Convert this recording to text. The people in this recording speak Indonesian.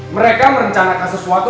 mereka merencanakan sesuatu